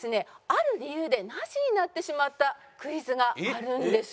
ある理由でなしになってしまったクイズがあるんです。